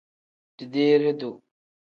Dideere-duu.